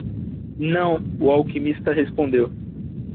"Não?" o alquimista respondeu.